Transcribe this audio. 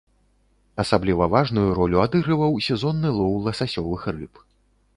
Асабліва важную ролю адыгрываў сезонны лоў ласасёвых рыб.